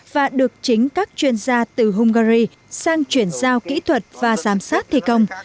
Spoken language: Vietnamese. và được chính các chuyên gia từ hungary sang chuyển giao kỹ thuật và giám sát thi công